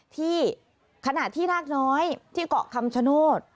ขณะที่นาคน้อยที่เกาะคำชโนธ